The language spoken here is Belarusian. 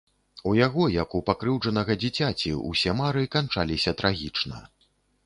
У яго, як у пакрыўджанага дзіцяці, усе мары канчаліся трагічна.